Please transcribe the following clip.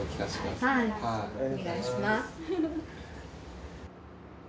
お願いします。